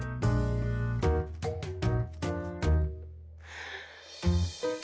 はあ。